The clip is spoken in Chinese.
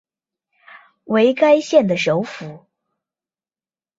为该县的首府。